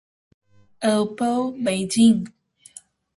oppo, beijing